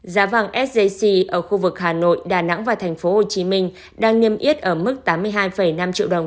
giá vàng sgc ở khu vực hà nội đà nẵng và thành phố hồ chí minh đang nghiêm yết ở mức tám mươi hai năm triệu đồng